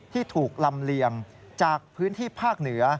ที่ถูกลำเลียงจากพื้นที่ภาคเหนือ